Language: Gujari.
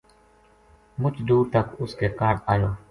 مُچ دور تک اس کے کاہڈ آیو